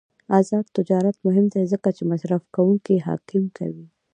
آزاد تجارت مهم دی ځکه چې مصرفکونکي حاکم کوي.